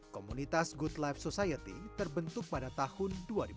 komunitas good life society terbentuk pada tahun dua ribu dua